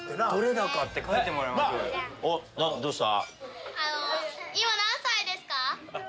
どうした？